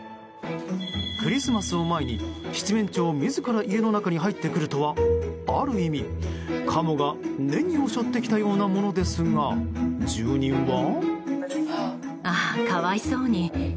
クリスマスを前に七面鳥自ら家の中に入ってくるとはある意味、カモがネギを背負ってきたようなものですが住民は。